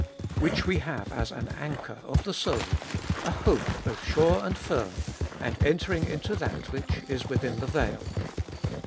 Which we have as an anchor of the soul, a hope both sure and firm, and entering into that which is within the veil.